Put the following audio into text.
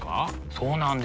そうなんです。